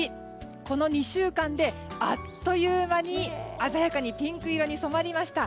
この２週間であっという間に鮮やかにピンク色に染まりました。